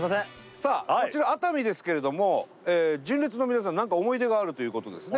さあこちら熱海ですけれども純烈の皆さん何か思い出があるということですね。